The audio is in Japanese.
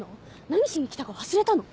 何しに来たか忘れたの？